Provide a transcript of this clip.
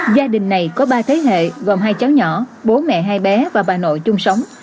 gia đình này có ba thế hệ gồm hai cháu nhỏ bố mẹ hai bé và bà nội chung sống